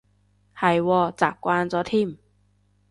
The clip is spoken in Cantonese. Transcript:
係喎，習慣咗添